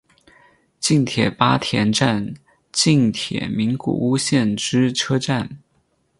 近铁八田站近铁名古屋线之车站。